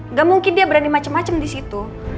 nggak mungkin dia berani macem macem di situ